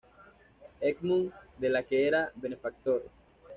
Edmunds de la que era benefactor.